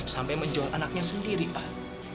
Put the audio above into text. sampai menjual anaknya sendiri pak